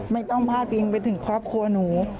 ไม่ต้องพาดพิงไปถึงครอบครัวหนู